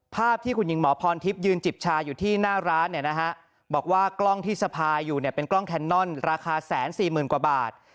ภาพที่คุณหญิงหมอพรทิพย์ยืนจิบชาอยู่ที่หน้าร้านบอกว่ากล้องที่สะพายอยู่เนี่ยเป็นกล้องแคนนอนราคา๑๔๐๐๐กว่าบาท